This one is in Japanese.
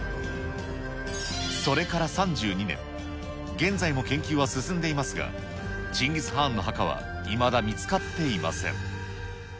それから３２年、現在も研究は進んでいますが、チンギス・ハーンの墓はいまだ見つかっていません。